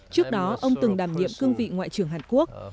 trước đó ông từng đảm nhiệm cương vị ngoại trưởng hàn quốc